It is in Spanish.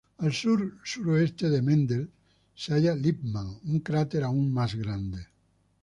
Al sur-suroeste de Mendel se halla Lippmann, un cráter aún más grande.